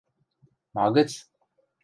– Ма гӹц?